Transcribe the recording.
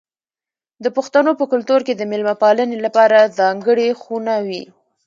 د پښتنو په کلتور کې د میلمه پالنې لپاره ځانګړې خونه وي.